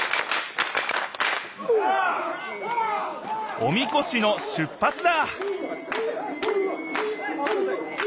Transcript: おみこしの出ぱつだ！